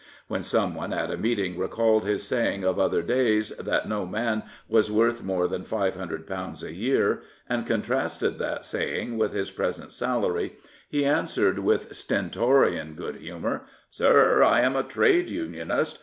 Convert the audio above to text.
When someone at a meeting recalled his saying of other days, that no man was worth more than £500 a year, and con trasted that saying with his present salary, he answered with stentorian good humour, " Sir, I am a trade unionist.